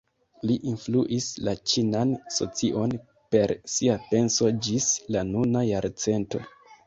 Li influis la ĉinan socion per sia penso ĝis la nuna jarcento.